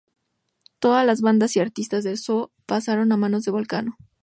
Todas las bandas y artista de Zoo pasaron a manos de Volcano.